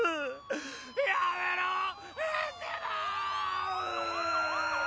やめろぉ！